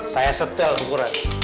saya setel ukuran